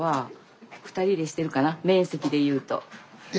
え？